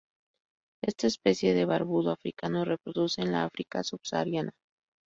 Esta especie de barbudo africano reproduce en la África subsahariana.